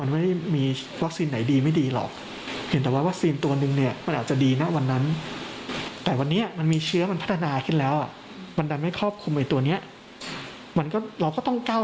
มันไม่ได้มีวัคซีนไหนดีไม่ดีหรอกเห็นแต่ว่าวัคซีนตัวนึงเนี่ยมันอาจจะดีนะวันนั้นแต่วันนี้มันมีเชื้อมันพัฒนาขึ้นแล้วอ่ะมันดันไม่ครอบคลุมไอ้ตัวเนี้ยมันก็เราก็ต้องก้าว